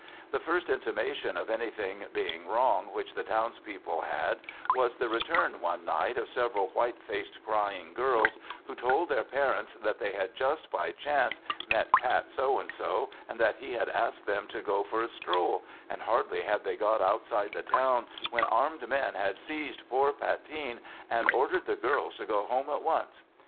The first intimation of anything being wrong which the townspeople had was the return one night of several white faced crying girls, who told their parents that they had just by chance met Pat So and So, and that he had asked them to go for a stroll, and hardly had they got outside the town when armed men had seized poor Pateen and ordered the girls to go home at once.